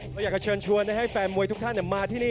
ก็อยากจะเชิญชวนให้แฟนมวยทุกท่านมาที่นี่